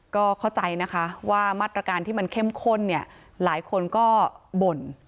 ก็เข้าใจนะคะว่ามาตรการที่มันเข้มข้นเนี่ยหลายคนก็บ่น